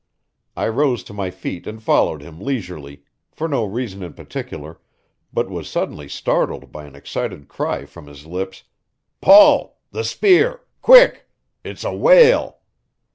I rose to my feet and followed him leisurely, for no reason in particular, but was suddenly startled by an excited cry from his lips: "Paul the spear! Quick! It's a whale!"